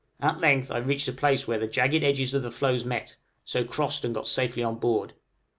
At length I reached a place where the jagged edges of the floes met, so crossed and got safely on board.